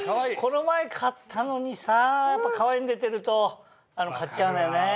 この前買ったのにさやっぱかわいいの出てると買っちゃうのよね。